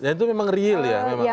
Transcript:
dan itu memang real ya